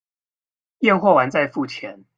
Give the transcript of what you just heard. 驗貨完再付錢